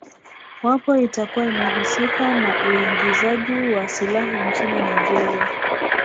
wapo itakuwa imehusika na uingizaji wa silaha nchini nigeria